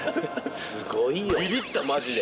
すごいよ。